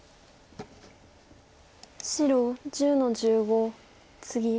白１０の十五ツギ。